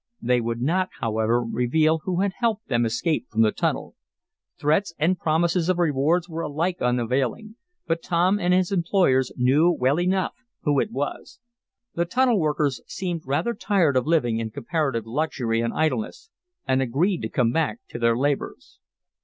They would not, however, reveal who had helped them escape from the tunnel. Threats and promises of rewards were alike unavailing, but Tom and his employers knew well enough who it was. The tunnel workers seemed rather tired of living in comparative luxury and idleness, and agreed to come back to their labors.